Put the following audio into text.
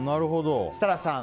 設楽さん